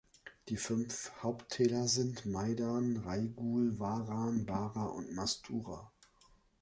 Die fünf Haupttäler sind Maidan, Rajgul, Waran, Bara und Mastura.